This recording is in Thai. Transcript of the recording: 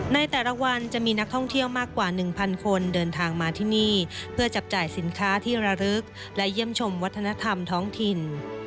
ในแต่ละวันจะมีนักท่องเที่ยวมากกว่าหนึ่งพันคนเดินทางมาที่นี่เพื่อจับจ่ายสินค้าที่ระลึกและเยี่ยมชมวัฒนธรรมท้องถิ่น